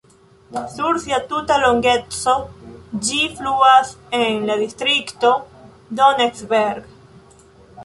Sur sia tuta longeco ĝi fluas en la distrikto Donnersberg.